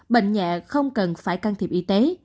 bệnh nhẹ không cần phải can thiệp y tế